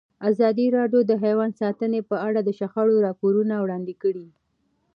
ازادي راډیو د حیوان ساتنه په اړه د شخړو راپورونه وړاندې کړي.